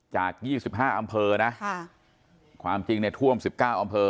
จาก๒๕อำเภอนะความจริงเนี่ยท่วม๑๙อำเภอ